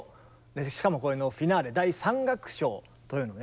しかもこれのフィナーレ第３楽章というのをね